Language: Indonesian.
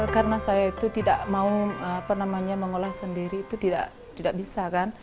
karena saya itu tidak mau mengolah sendiri itu tidak bisa kan